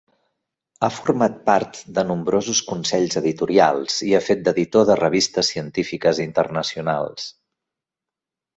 Ha format part de nombrosos consells editorials, i ha fet d'editor de revistes científiques internacionals.